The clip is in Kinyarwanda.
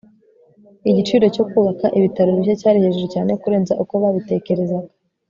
Igiciro cyo kubaka ibitaro bishya cyari hejuru cyane kurenza uko babitekerezaga